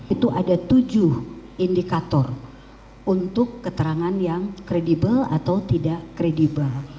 itu ada tujuh indikator untuk keterangan yang kredibel atau tidak kredibel